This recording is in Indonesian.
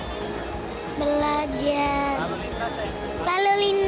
habis belajar habis mobil mobil dapet apa sih tadi